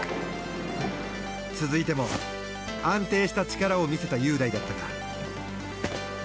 続いても安定した力を見せた雄大だったが。